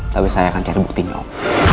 tapi saya akan cari bukti om